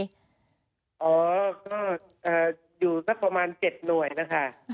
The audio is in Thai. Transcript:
อ๋อก็อยู่สักประมาณ๗หน่วยนะคะ